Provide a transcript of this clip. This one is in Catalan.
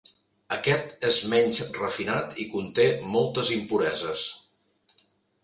Aquest és menys refinat i conté moltes impureses.